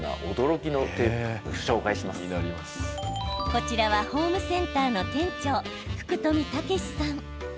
こちらはホームセンターの店長、福冨豪さん。